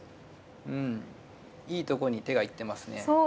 うんいいとこに手が行ってますね。